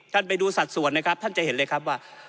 ไปดูสัดส่วนนะครับท่านจะเห็นเลยครับว่า